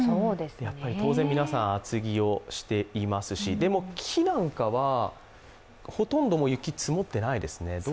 当然皆さん、厚着をしていますし、でも木なんかはほとんど雪は積もってないですね。